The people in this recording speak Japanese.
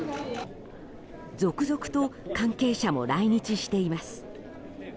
続々と関係者も来日しています。